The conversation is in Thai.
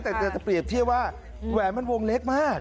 แต่จะเปรียบเทียบว่าแหวนมันวงเล็กมาก